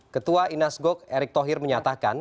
ketua inas gok erick thohir menyatakan